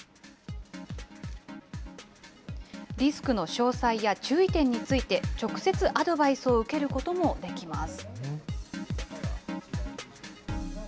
リスクの詳細や注意点について、直接アドバイスを受けることもできます。